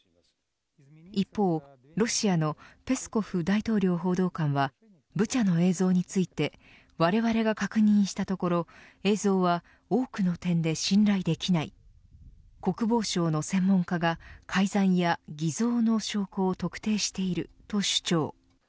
一方ロシアのペスコフ大統領報道官はブチャの映像についてわれわれが確認したところ映像は多くの点で信頼できない国防省の専門家が改ざんや偽造証拠を特定していると主張。